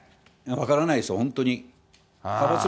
分からないです、本当に。